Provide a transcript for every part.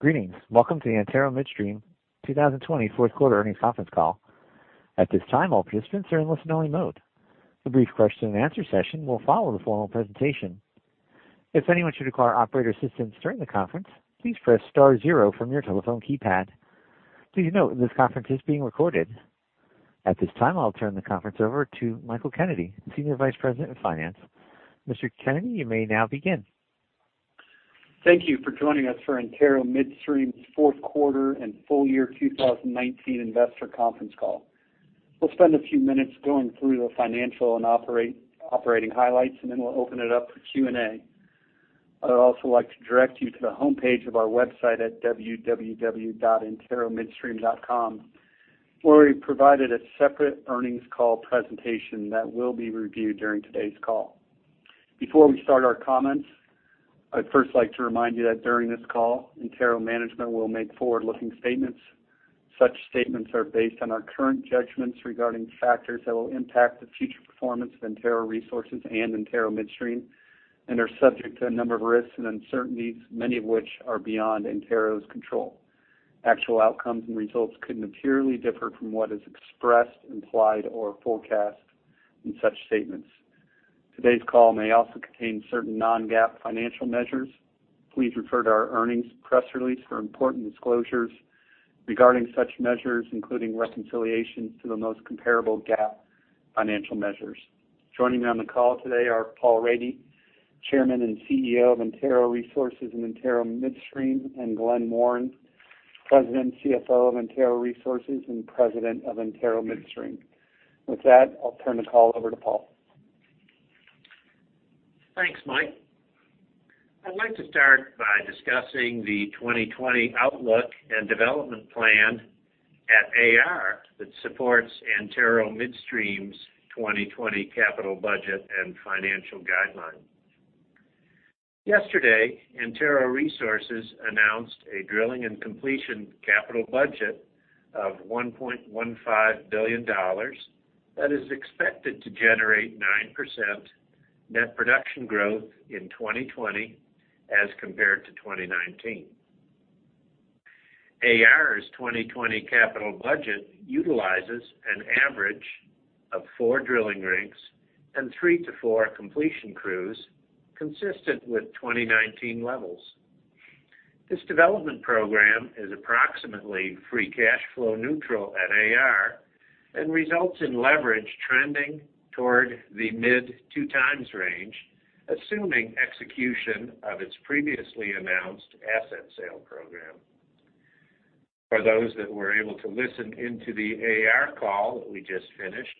Greetings. Welcome to the Antero Midstream 2020 fourth quarter earnings conference call. At this time, all participants are in listen-only mode. A brief question and answer session will follow the formal presentation. If anyone should require operator assistance during the conference, please press star zero from your telephone keypad. Please note this conference is being recorded. At this time, I'll turn the conference over to Michael Kennedy, Senior Vice President of Finance. Mr. Kennedy, you may now begin. Thank you for joining us for Antero Midstream's fourth quarter and full year 2019 investor conference call. We'll spend a few minutes going through the financial and operating highlights, and then we'll open it up for Q&A. I would also like to direct you to the homepage of our website at www.anteromidstream.com where we provided a separate earnings call presentation that will be reviewed during today's call. Before we start our comments, I'd first like to remind you that during this call, Antero management will make forward-looking statements. Such statements are based on our current judgments regarding factors that will impact the future performance of Antero Resources and Antero Midstream and are subject to a number of risks and uncertainties, many of which are beyond Antero's control. Actual outcomes and results could materially differ from what is expressed, implied, or forecast in such statements. Today's call may also contain certain non-GAAP financial measures. Please refer to our earnings press release for important disclosures regarding such measures, including reconciliations to the most comparable GAAP financial measures. Joining me on the call today are Paul Rady, Chairman and CEO of Antero Resources and Antero Midstream, and Glen Warren, President and CFO of Antero Resources, and President of Antero Midstream. With that, I'll turn the call over to Paul. Thanks, Mike. I'd like to start by discussing the 2020 outlook and development plan at AR that supports Antero Midstream's 2020 capital budget and financial guidelines. Yesterday, Antero Resources announced a drilling and completion capital budget of $1.15 billion that is expected to generate 9% net production growth in 2020 as compared to 2019. AR's 2020 capital budget utilizes an average of four drilling rigs and three to four completion crews consistent with 2019 levels. This development program is approximately free cash flow neutral at AR and results in leverage trending toward the mid two times range, assuming execution of its previously announced asset sale program. For those that were able to listen into the AR call that we just finished,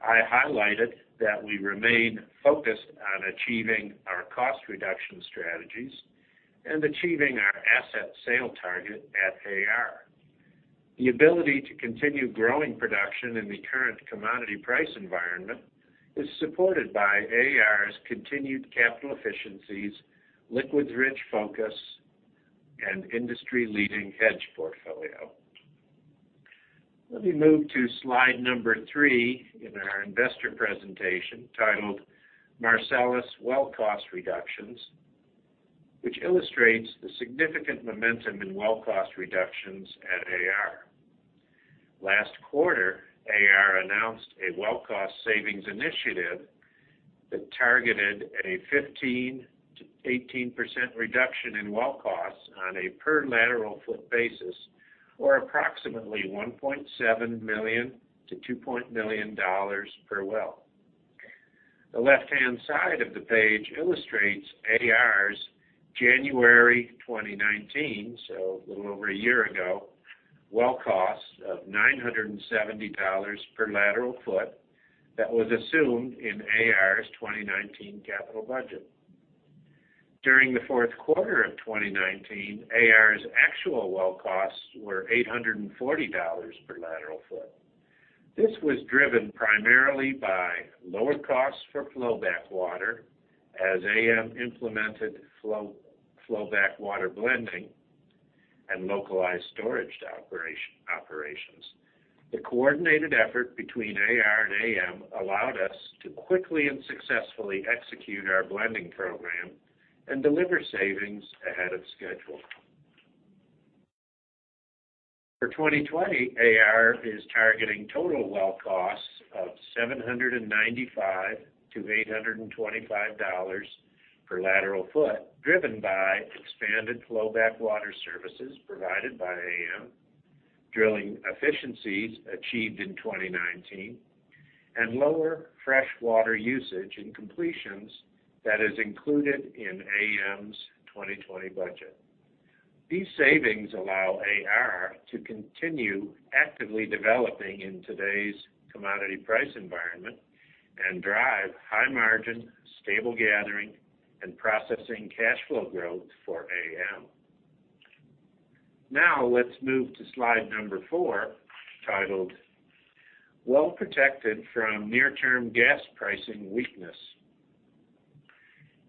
I highlighted that we remain focused on achieving our cost reduction strategies and achieving our asset sale target at AR. The ability to continue growing production in the current commodity price environment is supported by AR's continued capital efficiencies, liquids-rich focus, and industry-leading hedge portfolio. Let me move to slide three in our investor presentation titled Marcellus Well Cost Reductions, which illustrates the significant momentum in well cost reductions at AR. Last quarter, AR announced a well cost savings initiative that targeted a 15%-18% reduction in well costs on a per lateral foot basis or approximately $1.7 million-$2 million per well. The left-hand side of the page illustrates AR's January 2019, so a little over a year ago, well cost of $970 per lateral foot that was assumed in AR's 2019 capital budget. During the fourth quarter of 2019, AR's actual well costs were $840 per lateral foot. This was driven primarily by lower costs for flowback water as AM implemented flowback water blending and localized storage operations. The coordinated effort between AR and AM allowed us to quickly and successfully execute our blending program and deliver savings ahead of schedule. For 2020, AR is targeting total well costs of $795-$825 per lateral foot, driven by expanded flowback water services provided by AM, drilling efficiencies achieved in 2019, and lower fresh water usage in completions that is included in AM's 2020 budget. These savings allow AR to continue actively developing in today's commodity price environment and drive high margin, stable gathering, and processing cash flow growth for AM. Now let's move to slide number four, titled Well Protected From Near-Term Gas Pricing Weakness.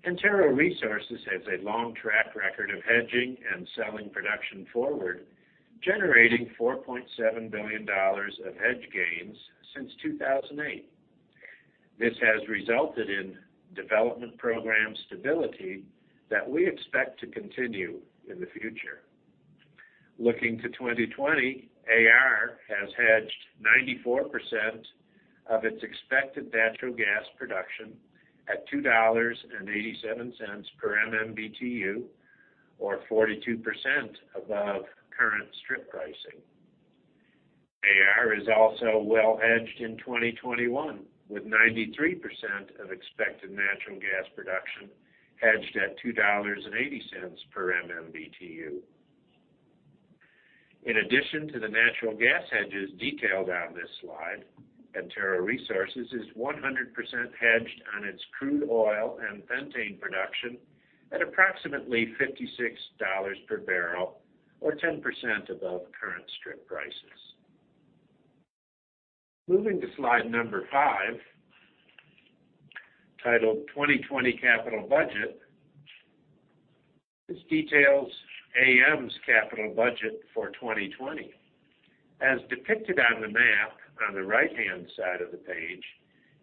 Antero Resources has a long track record of hedging and selling production forward, generating $4.7 billion of hedge gains since 2008. This has resulted in development program stability that we expect to continue in the future. Looking to 2020, AR has hedged 94% of its expected natural gas production at $2.87 per MMBtu, or 42% above current strip pricing. AR is also well-hedged in 2021, with 93% of expected natural gas production hedged at $2.80 per MMBtu. In addition to the natural gas hedges detailed on this slide, Antero Resources is 100% hedged on its crude oil and pentane production at approximately $56 per barrel, or 10% above current strip prices. Moving to slide number five, titled 2020 Capital Budget. This details AM's capital budget for 2020. As depicted on the map on the right-hand side of the page,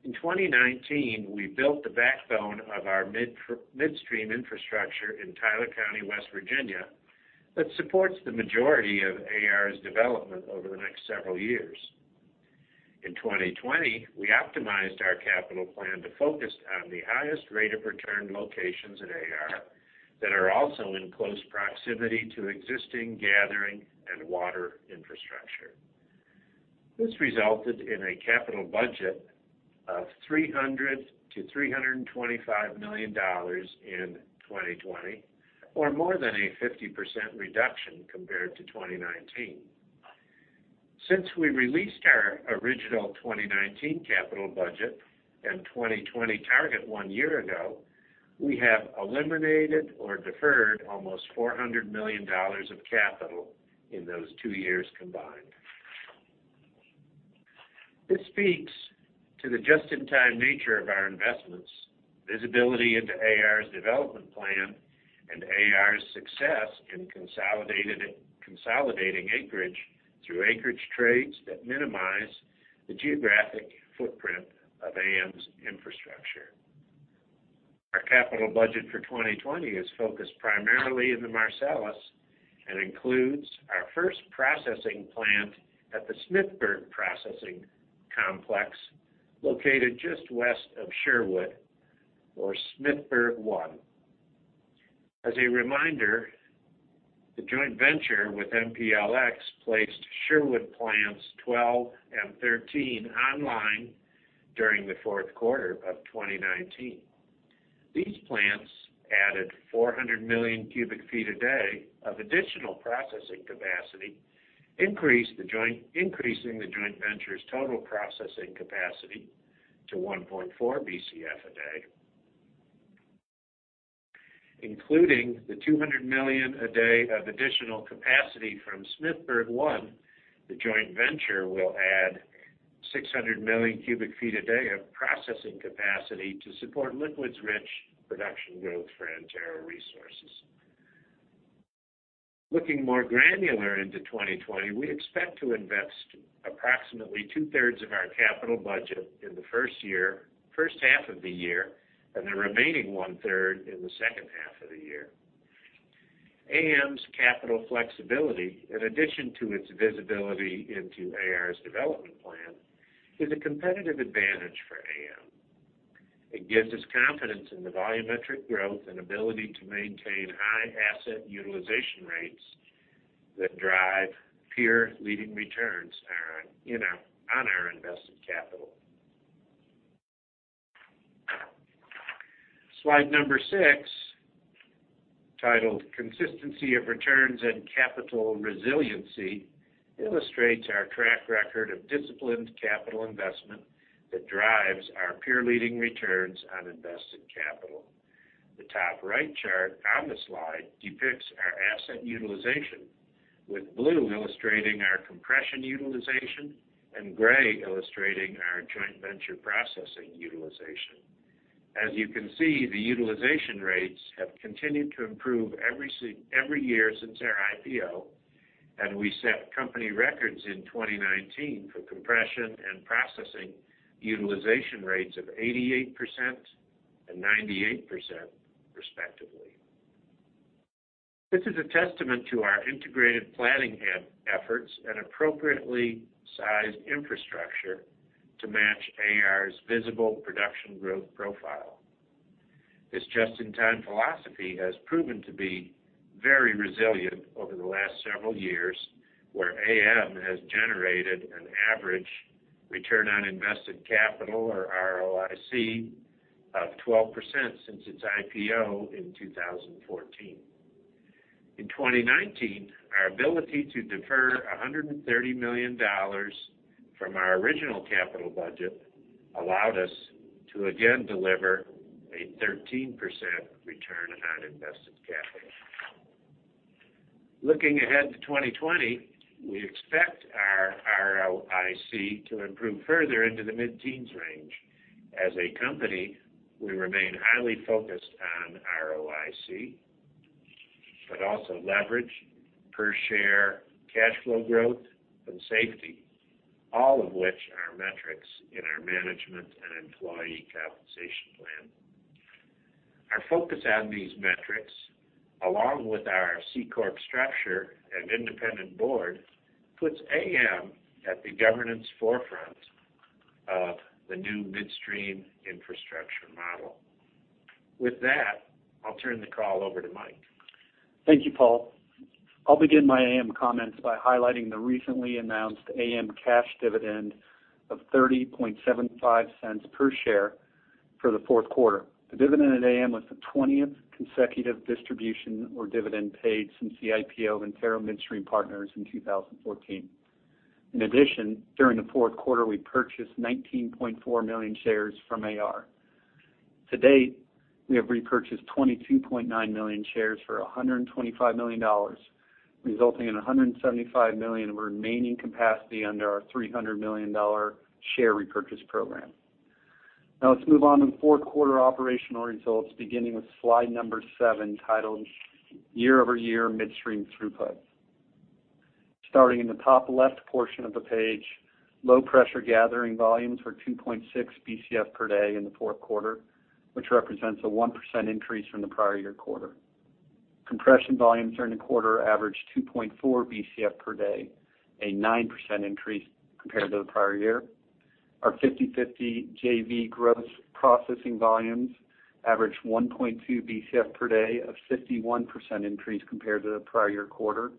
in 2019, we built the backbone of our midstream infrastructure in Tyler County, West Virginia, that supports the majority of AR's development over the next several years. In 2020, we optimized our capital plan to focus on the highest rate of return locations at AR that are also in close proximity to existing gathering and water infrastructure. This resulted in a capital budget of $300 million-$325 million in 2020, or more than a 50% reduction compared to 2019. Since we released our original 2019 capital budget and 2020 target one year ago, we have eliminated or deferred almost $400 million of capital in those two years combined. This speaks to the just-in-time nature of our investments, visibility into AR's development plan, and AR's success in consolidating acreage through acreage trades that minimize the geographic footprint of AM's infrastructure. Our capital budget for 2020 is focused primarily in the Marcellus and includes our first processing plant at the Smithburg Processing Complex located just west of Sherwood, or Smithburg One. As a reminder, the joint venture with MPLX placed Sherwood plants 12 and 13 online during the fourth quarter of 2019. These plants added 400 million cubic feet a day of additional processing capacity, increasing the joint venture's total processing capacity to 1.4 Bcf a day. Including the 200 million a day of additional capacity from Smithburg One, the joint venture will add 600 million cubic feet a day of processing capacity to support liquids-rich production growth for Antero Resources. Looking more granular into 2020, we expect to invest approximately two-thirds of our capital budget in the first half of the year and the remaining one-third in the second half of the year. AM's capital flexibility, in addition to its visibility into AR's development plan, is a competitive advantage for AM. It gives us confidence in the volumetric growth and ability to maintain high asset utilization rates that drive peer-leading returns on our invested capital. Slide number six, titled Consistency of Returns and Capital Resiliency, illustrates our track record of disciplined capital investment that drives our peer-leading returns on invested capital. The top right chart on the slide depicts our asset utilization, with blue illustrating our compression utilization and gray illustrating our joint venture processing utilization. As you can see, the utilization rates have continued to improve every year since our IPO, and we set company records in 2019 for compression and processing utilization rates of 88% and 98%, respectively. This is a testament to our integrated planning efforts and appropriately sized infrastructure to match AR's visible production growth profile. This just-in-time philosophy has proven to be very resilient over the last several years, where AM has generated an average return on invested capital, or ROIC, of 12% since its IPO in 2014. In 2019, our ability to defer $130 million from our original capital budget allowed us to again deliver a 13% return on invested capital. Looking ahead to 2020, we expect our ROIC to improve further into the mid-teens range. As a company, we remain highly focused on ROIC. Also leverage per share cash flow growth and safety, all of which are metrics in our management and employee compensation plan. Our focus on these metrics, along with our C-corp structure and independent board, puts AM at the governance forefront of the new midstream infrastructure model. With that, I'll turn the call over to Mike. Thank you, Paul. I'll begin my AM comments by highlighting the recently announced AM cash dividend of $0.3075 per share for the fourth quarter. The dividend at AM was the 20th consecutive distribution or dividend paid since the IPO of Antero Midstream Partners in 2014. In addition, during the fourth quarter, we purchased 19.4 million shares from AR. To date, we have repurchased 22.9 million shares for $125 million, resulting in $175 million of remaining capacity under our $300 million share repurchase program. Now let's move on to the fourth quarter operational results, beginning with slide number seven, titled Year-over-Year Midstream Throughput. Starting in the top left portion of the page, low pressure gathering volumes were 2.6 Bcf per day in the fourth quarter, which represents a 1% increase from the prior-year quarter. Compression volumes during the quarter averaged 2.4 Bcf per day, a 9% increase compared to the prior year. Our 50/50 JV gross processing volumes averaged 1.2 Bcf per day, a 51% increase compared to the prior year quarter.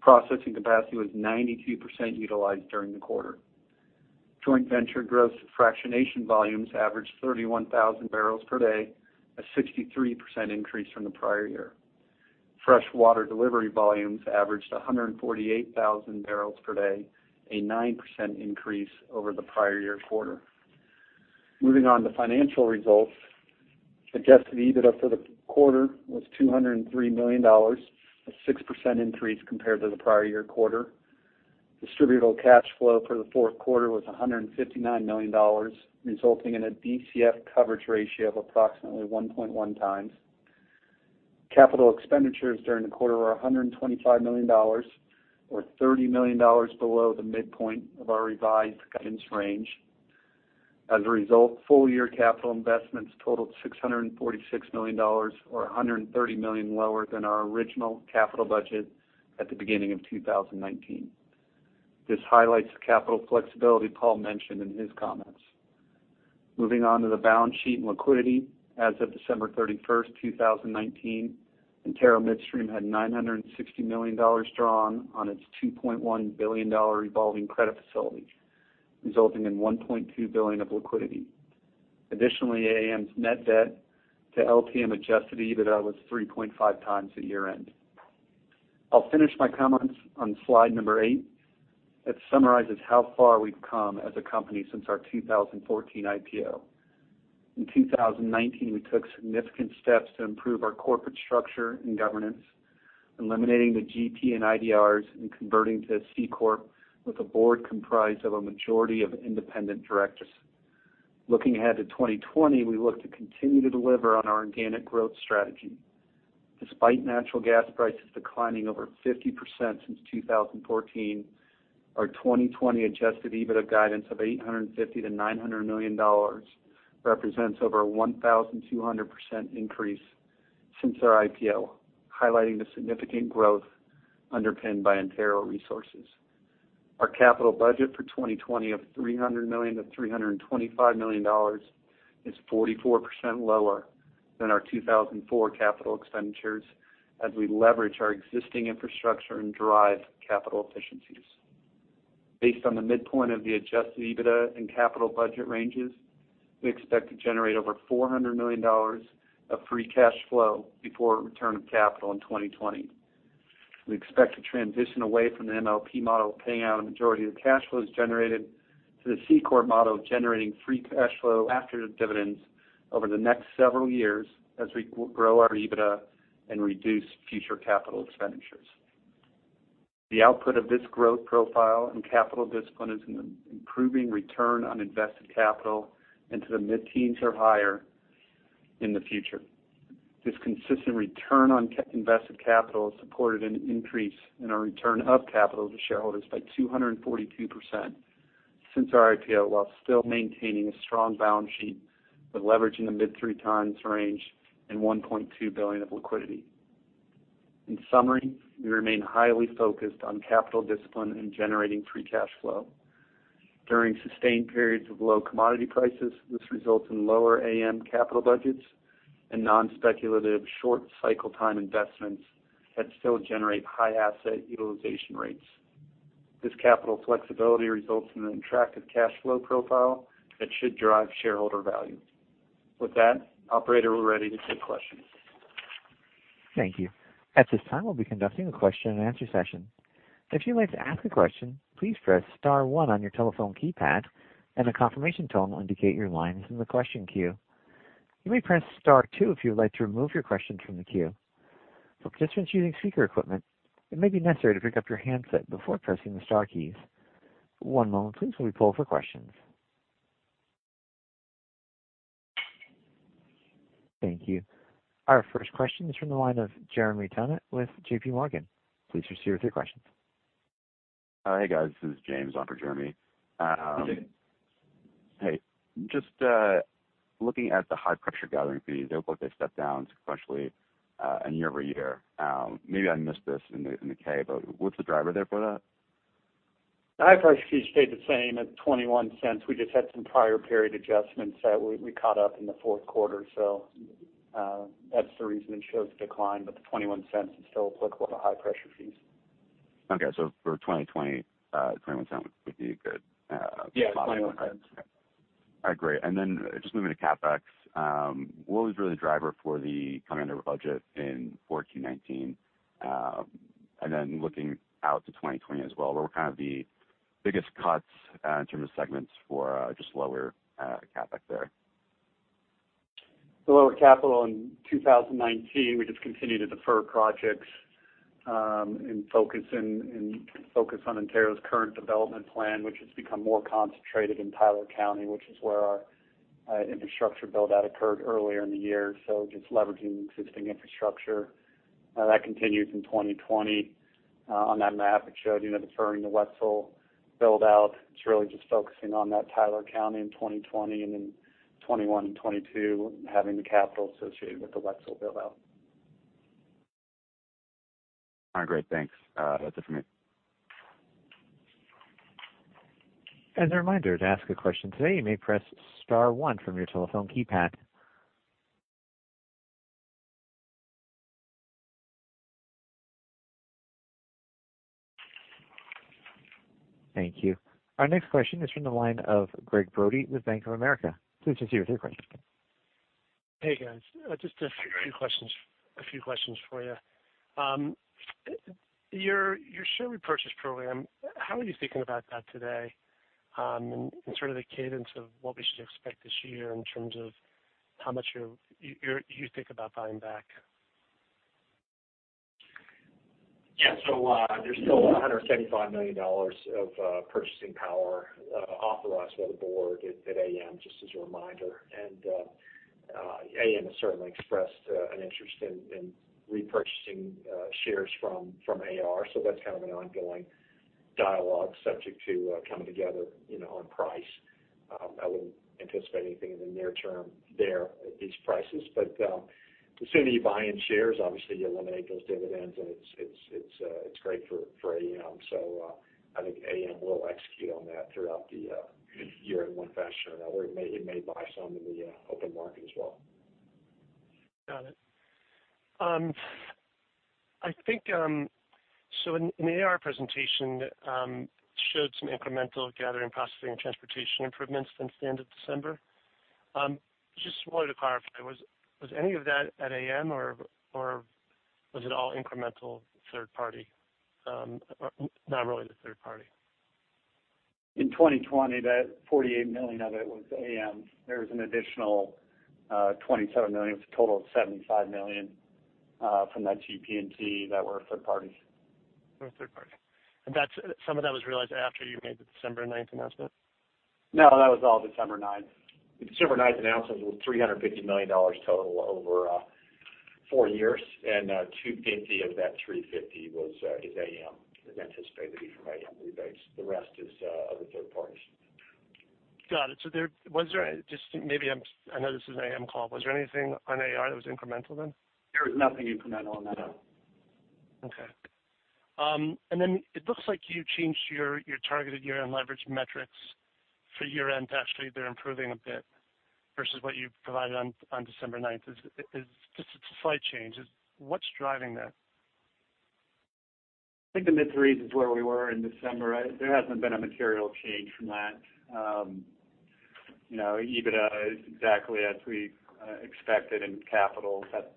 Processing capacity was 92% utilized during the quarter. Joint venture gross fractionation volumes averaged 31,000 barrels per day, a 63% increase from the prior year. Fresh water delivery volumes averaged 148,000 barrels per day, a 9% increase over the prior year quarter. Moving on to financial results. Adjusted EBITDA for the quarter was $203 million, a 6% increase compared to the prior year quarter. Distributable cash flow for the fourth quarter was $159 million, resulting in a DCF coverage ratio of approximately 1.1 times. Capital expenditures during the quarter were $125 million, or $30 million below the midpoint of our revised guidance range. As a result, full year capital investments totaled $646 million or $130 million lower than our original capital budget at the beginning of 2019. This highlights the capital flexibility Paul mentioned in his comments. Moving on to the balance sheet and liquidity. As of December 31st, 2019, Antero Midstream had $960 million drawn on its $2.1 billion revolving credit facility, resulting in $1.2 billion of liquidity. Additionally, AM's net debt to LTM adjusted EBITDA was 3.5 times at year-end. I'll finish my comments on slide number eight, that summarizes how far we've come as a company since our 2014 IPO. In 2019, we took significant steps to improve our corporate structure and governance, eliminating the GP and IDRs and converting to a C corp with a board comprised of a majority of independent directors. Looking ahead to 2020, we look to continue to deliver on our organic growth strategy. Despite natural gas prices declining over 50% since 2014, our 2020 adjusted EBITDA guidance of $850 million-$900 million represents over a 1,200% increase since our IPO, highlighting the significant growth underpinned by Antero Resources. Our capital budget for 2020 of $300 million-$325 million is 44% lower than our 2004 capital expenditures as we leverage our existing infrastructure and drive capital efficiencies. Based on the midpoint of the adjusted EBITDA and capital budget ranges, we expect to generate over $400 million of free cash flow before return of capital in 2020. We expect to transition away from the MLP model, paying out a majority of the cash flows generated to the C-corp model of generating free cash flow after the dividends over the next several years as we grow our EBITDA and reduce future capital expenditures. The output of this growth profile and capital discipline is an improving return on invested capital into the mid-teens or higher in the future. This consistent return on invested capital supported an increase in our return of capital to shareholders by 242% since our IPO, while still maintaining a strong balance sheet with leverage in the mid three times range and $1.2 billion of liquidity. In summary, we remain highly focused on capital discipline and generating free cash flow. During sustained periods of low commodity prices, this results in lower AM capital budgets and non-speculative short cycle time investments that still generate high asset utilization rates. This capital flexibility results in an attractive cash flow profile that should drive shareholder value. With that, operator, we're ready to take questions. Thank you. At this time, we'll be conducting a question and answer session. If you'd like to ask a question, please press star one on your telephone keypad, and a confirmation tone will indicate your line is in the question queue. You may press star two if you would like to remove your question from the queue. For participants using speaker equipment, it may be necessary to pick up your handset before pressing the star keys. One moment please, while we poll for questions. Thank you. Our first question is from the line of Jeremy Tonet with JPMorgan. Please proceed with your questions. Hi, guys. This is James on for Jeremy. Hey, James. Hey. Just looking at the high pressure gathering fee, it looked like they stepped down sequentially in year-over-year. Maybe I missed this in the K, but what's the driver there for that? High pressure fee stayed the same at $0.21. We just had some prior period adjustments that we caught up in the fourth quarter. That's the reason it shows a decline. The $0.21 is still applicable to high pressure fees. Okay. For 2020, $0.21 would be a good- Yeah. $0.21. All right, great. Just moving to CapEx, what was really the driver for the coming under budget in 2019? Looking out to 2020 as well, what are the biggest cuts in terms of segments for just lower CapEx there? The lower capital in 2019, we just continued to defer projects and focus on Antero's current development plan, which has become more concentrated in Tyler County, which is where our infrastructure build-out occurred earlier in the year. Just leveraging existing infrastructure. That continues in 2020. On that map, it showed deferring the [Wetzel build-out]. It's really just focusing on that Tyler County in 2020 and then 21 and 22 having the capital associated with the Wetzel build-out. All right, great. Thanks. That's it for me. As a reminder, to ask a question today, you may press star one from your telephone keypad. Thank you. Our next question is from the line of Gregg Brody with Bank of America. Please proceed with your question. Hey, guys. Just a few questions for you. Your share repurchase program, how are you thinking about that today, and sort of the cadence of what we should expect this year in terms of how much you think about buying back? There's still $175 million of purchasing power authorized by the board at AM, just as a reminder. AM has certainly expressed an interest in repurchasing shares from AR. That's kind of an ongoing dialogue subject to coming together on price. I wouldn't anticipate anything in the near term there at these prices. The sooner you buy in shares, obviously you eliminate those dividends, and it's great for AM. I think AM will execute on that throughout the year in one fashion or another. It may buy some in the open market as well. Got it. In the AR presentation, it showed some incremental gathering, processing, and transportation improvements since the end of December. Just wanted to clarify, was any of that at AM or was it all incremental third party? Not really the third party. In 2020, that $48 million of it was AM. There was an additional $27 million. It was a total of $75 million from that GP&T that were third parties. They were third party. Some of that was realized after you made the December ninth announcement? No, that was all December ninth. The December ninth announcement was $350 million total over four years. 250 of that 350 is AM. That's anticipated to be from AM rebates. The rest is other third parties. Got it. I know this is an AM call. Was there anything on AR that was incremental then? There was nothing incremental on that end. Okay. It looks like you changed your targeted year-end leverage metrics for year-end to actually they're improving a bit versus what you provided on December ninth. It's just a slight change. What's driving that? I think the mid-three is where we were in December. There hasn't been a material change from that. EBITDA is exactly as we expected. Capital's at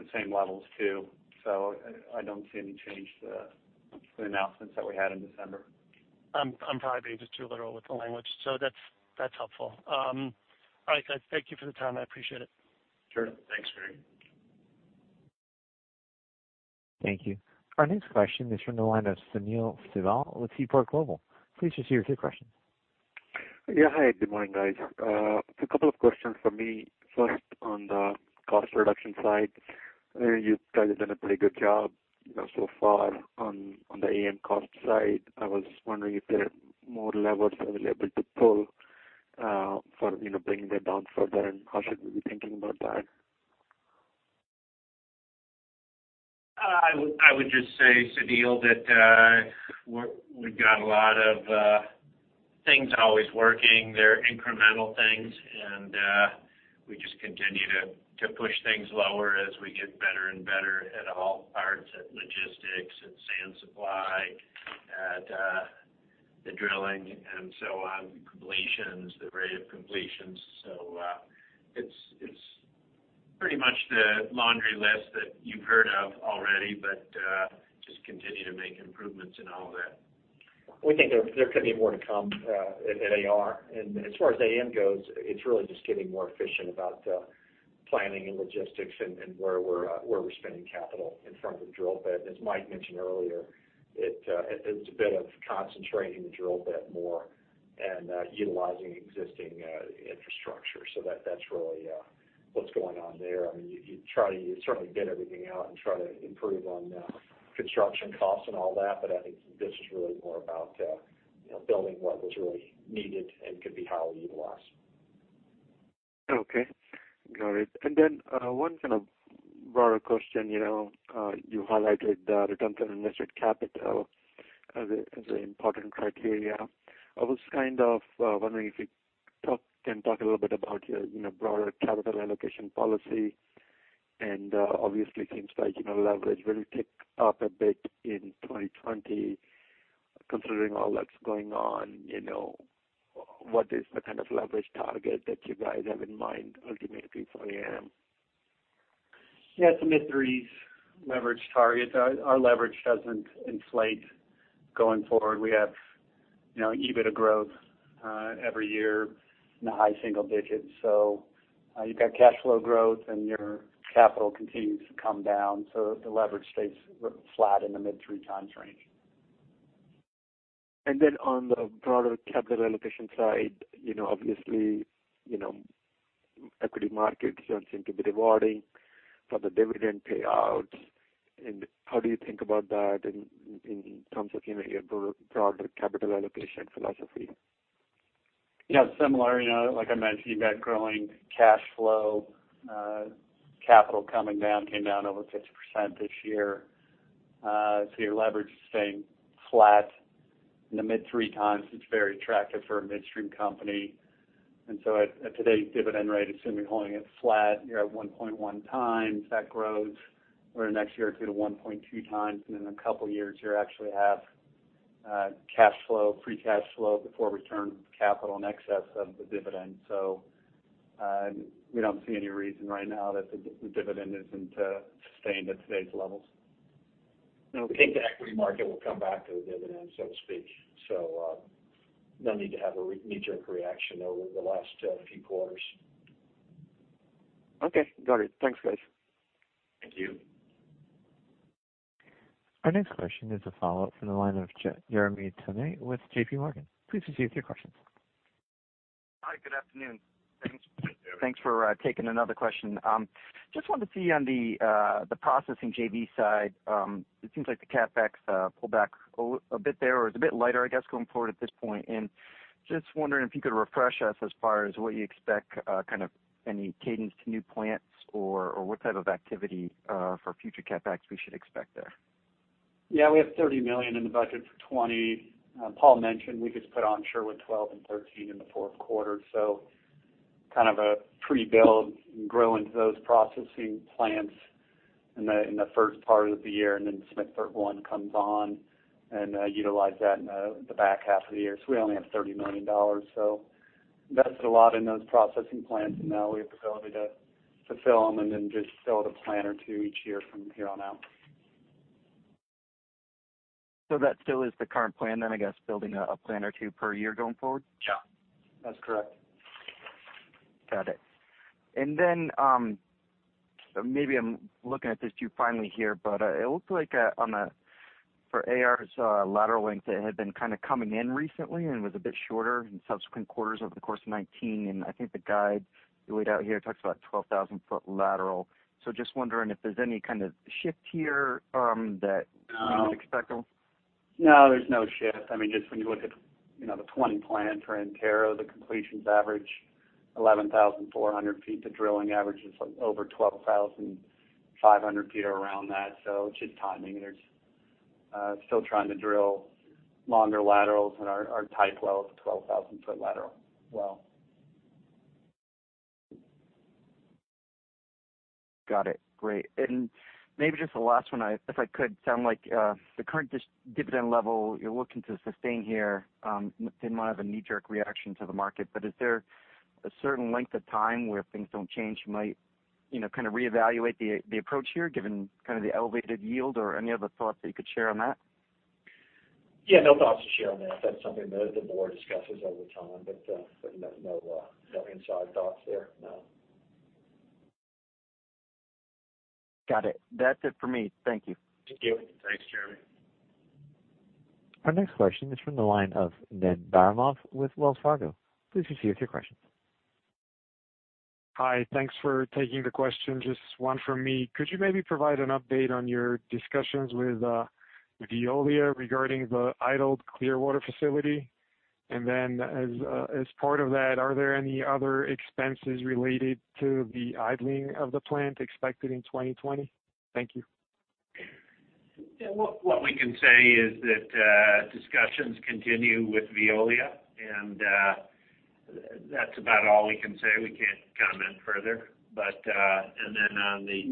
the same levels too. I don't see any change to the announcements that we had in December. I'm probably being just too literal with the language. That's helpful. All right, guys. Thank you for the time. I appreciate it. Sure. Thanks, Gregg. Thank you. Our next question is from the line of Sunil Sibal with Seaport Global. Please proceed with your question. Yeah. Hi, good morning, guys. A couple of questions from me. First, on the cost reduction side, you guys have done a pretty good job so far on the AM cost side. I was wondering if there are more levers that you'll be able to pull for bringing that down further, and how should we be thinking about that? I would just say, Sunil, that we've got a lot of things always working. They're incremental things. We just continue to push things lower as we get better and better at all parts, at logistics, at sand supply, at the drilling, and so on, the completions, the rate of completions. It's pretty much the laundry list that you've heard of already, but just continue to make improvements in all of that. We think there could be more to come at AR. As far as AM goes, it's really just getting more efficient about. Planning and logistics and where we're spending capital in front of the drill bit. As Mike mentioned earlier, it's a bit of concentrating the drill bit more and utilizing existing infrastructure. That's really what's going on there. You certainly bid everything out and try to improve on construction costs and all that. I think this is really more about building what was really needed and could be highly utilized. Okay, got it. Then one kind of broader question. You highlighted the Return on Invested Capital as an important criteria. I was kind of wondering if you can talk a little bit about your broader capital allocation policy, and obviously seems like leverage will tick up a bit in 2020. Considering all that's going on, what is the kind of leverage target that you guys have in mind ultimately for AM? It's a mid-threes leverage target. Our leverage doesn't inflate going forward. We have EBITDA growth every year in the high single digits. You've got cash flow growth and your capital continues to come down, so the leverage stays flat in the mid three times range. On the broader capital allocation side, obviously, equity markets don't seem to be rewarding for the dividend payouts. How do you think about that in terms of your broader capital allocation philosophy? Yeah, similar. Like I mentioned, you've got growing cash flow, capital coming down, came down over 50% this year. Your leverage is staying flat in the mid three times. It's very attractive for a midstream company. At today's dividend rate, assuming holding it flat, you're at 1.1 times. That grows over the next year or two to 1.2x. In a couple of years, you actually have cash flow, free cash flow before return capital in excess of the dividend. We don't see any reason right now that the dividend isn't sustained at today's levels. We think the equity market will come back to the dividend, so to speak. No need to have a knee-jerk reaction over the last few quarters. Okay, got it. Thanks, guys. Thank you. Our next question is a follow-up from the line of Jeremy Tonet with JPMorgan. Please proceed with your question. Hi, good afternoon. Hey, Jeremy. Thanks for taking another question. Just wanted to see on the processing JV side, it seems like the CapEx pulled back a bit there, or is a bit lighter, I guess, going forward at this point. Just wondering if you could refresh us as far as what you expect, kind of any cadence to new plants or what type of activity for future CapEx we should expect there. Yeah, we have $30 million in the budget for 2020. Paul mentioned we just put on Sherwood 12 and 13 in the fourth quarter. kind of a pre-build and grow into those processing plants in the first part of the year, and then Smithburg 1 comes on and utilize that in the back half of the year. We only have $30 million. invested a lot in those processing plants, and now we have the ability to fill them and then just build a plant or two each year from here on out. That still is the current plan then, I guess, building a plant or two per year going forward? Yeah, that's correct. Got it. Maybe I'm looking at this too finely here, but it looks like for AR's lateral length, it had been kind of coming in recently and was a bit shorter in subsequent quarters over the course of 2019, and I think the guide you laid out here talks about 12,000 foot lateral. Just wondering if there's any kind of shift here that. No we would expect of? No, there's no shift. Just when you look at the 2020 plan for Antero, the completions average 11,400 feet. The drilling average is over 12,500 feet or around that. It's just timing. They're still trying to drill longer laterals. Our type well is a 12,000-foot lateral well. Got it. Great. Maybe just the last one, if I could. Sound like the current dividend level you're looking to sustain here didn't want to have a knee-jerk reaction to the market, but is there a certain length of time where if things don't change, you might reevaluate the approach here given the elevated yield or any other thoughts that you could share on that? Yeah, no thoughts to share on that. That's something the board discusses over time. No inside thoughts there, no. Got it. That's it for me. Thank you. Thank you. Thanks, Jeremy. Our next question is from the line of Ned Baramov with Wells Fargo. Please proceed with your question. Hi. Thanks for taking the question. Just one from me. Could you maybe provide an update on your discussions with Veolia regarding the idled Clearwater facility? As part of that, are there any other expenses related to the idling of the plant expected in 2020? Thank you. What we can say is that discussions continue with Veolia, and that's about all we can say. We can't comment further.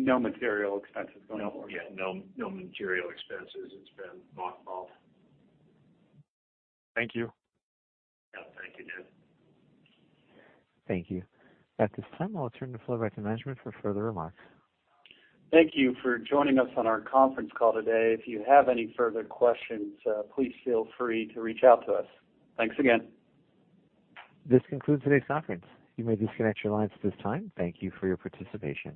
No material expenses going forward. No material expenses. It's been mothballed. Thank you. Yeah. Thank you, Ned. Thank you. At this time, I'll turn the floor back to management for further remarks. Thank you for joining us on our conference call today. If you have any further questions, please feel free to reach out to us. Thanks again. This concludes today's conference. You may disconnect your lines at this time. Thank you for your participation.